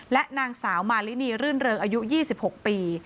และนางสาวมารินีรื่นเริงอายุ๒๖ปี